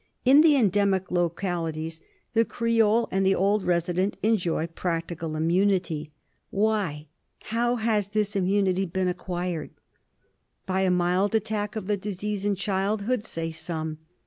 In the endemic localities the Creole and the CREOLE IMMUNITY. 211 old resident enjoy practical immunity. Why? Howhasthis immunity been acquired ? By a mild attack of the disease in childhood, say some.